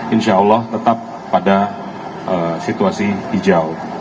insya allah tetap pada situasi hijau